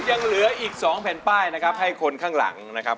ยังเหลืออีก๒แผ่นป้ายนะครับให้คนข้างหลังนะครับ